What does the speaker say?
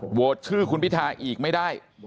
โหวตชื่อคุณพิทาอีกไม่ได้